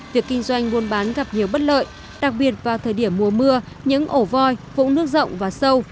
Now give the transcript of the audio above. việc kinh doanh buôn bán gặp nhiều bất lợi đặc biệt vào thời điểm mùa mưa những ổ voi vũng nước rộng và sâu